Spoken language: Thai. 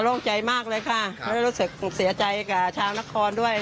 โหร่โล่งใจมากเลยค่ะรู้สึกเสียใจกับชาวนครด้วย